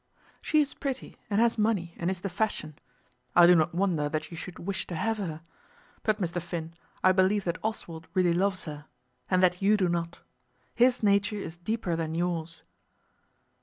"She is pretty, and has money, and is the fashion. I do not wonder that you should wish to have her. But, Mr. Finn, I believe that Oswald really loves her; and that you do not. His nature is deeper than yours."